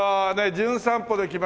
『じゅん散歩』で来ましたね